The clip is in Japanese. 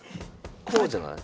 こうじゃない？